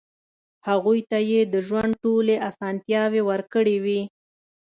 هغوی ته يې د ژوند ټولې اسانتیاوې ورکړې وې.